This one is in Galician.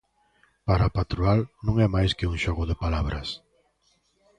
Para a patronal, non é máis que un xogo de palabras.